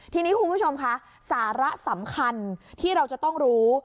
ทีนี้คุณผู้ชมคะสาระสำคัญที่เราจะต้องรู้